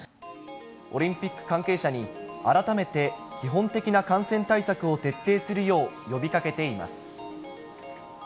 オリンピック関係者に、改めて基本的な感染対策を徹底するよう呼びかけています。